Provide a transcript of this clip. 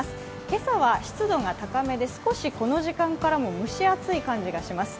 今朝は湿度が高めで少しこの時間からも蒸し暑い感じがします。